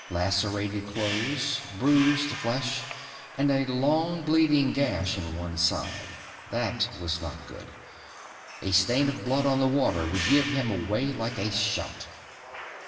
Lacerated clothes, bruised flesh and a long bleeding gash in one side. That was not good. A stain of blood on the water would give him away like a shout.